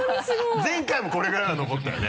前回もこれぐらいまでは残ったよね。